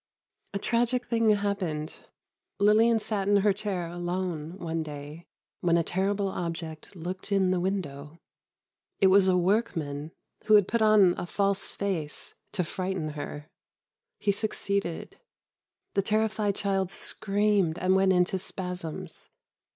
A tragic thing happened. Lillian sat in her chair alone, one day, when a terrible object looked in the window. It was a workman, who had put on a false face, to frighten her. He succeeded. The terrified child screamed and went into spasms.